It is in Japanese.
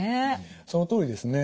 そのとおりですね。